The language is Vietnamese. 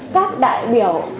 các đại biểu